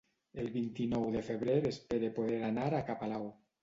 El vint-i-nou de febrer espere poder anar a ca Palao.